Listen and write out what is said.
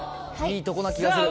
いいとこな気がする。